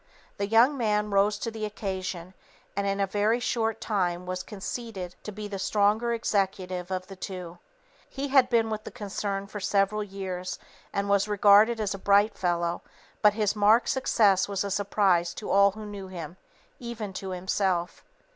The young man rose to the occasion, and in a very short time was conceded to be the stronger executive of the two. He had been with the concern for several years, and was regarded as a bright fellow, but his marked success was a surprise to all who knew him even to himself.